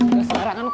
gak sebarang kan kok